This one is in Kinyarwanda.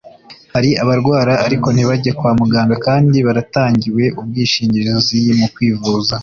hari abarwara ariko ntibajye kwa muganga kandi baratangiwe ubwishingizi mu kwifuza